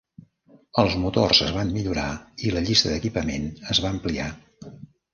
Els motors es van millorar i la llista d'equipament es va ampliar.